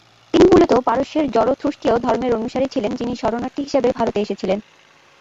তিনি মূলত পারস্যের জরথুস্ত্রীয় ধর্মের অনুসারী ছিলেন যিনি শরণার্থী হিসেবে ভারতে এসেছিলেন।